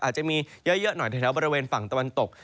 อาจจะมีเยอะหน่อยแถวบริเวณฝั่งตะวันตก